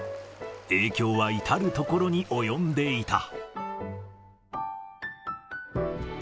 影響は至る所に及んでいた。